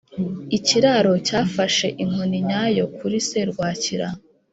ikiraro cyafashe inkoni nyayo kuri serwakira.